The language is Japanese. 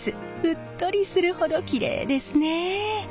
うっとりするほどきれいですね。